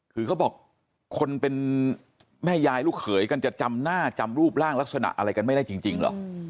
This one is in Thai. คือเขาบอกคนเป็นแม่ยายลูกเขยกันจะจำหน้าจำรูปร่างลักษณะอะไรกันไม่ได้จริงเหรอ